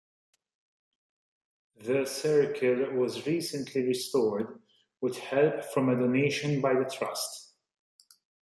The circle was recently restored with help from a donation by the trust.